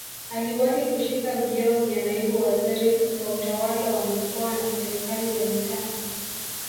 Aliwahi kushika vyeo vya naibu waziri wa utawala wa mikoa na serikali ya mitaa